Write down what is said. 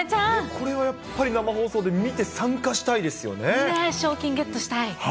これはやっぱり生放送で見て、賞金ゲットしたい。